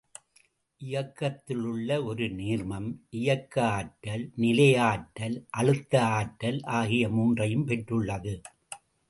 இயக்கத்திலுள்ள ஒரு நீர்மம் இயக்க ஆற்றல், நிலை ஆற்றல், அழுத்த ஆற்றல் ஆகிய மூன்றையும் பெற்றுள்ளது.